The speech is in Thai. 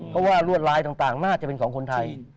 เพราะว่ารวดลายต่างน่าจะเป็นของคนไทย